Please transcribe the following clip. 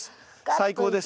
最高です。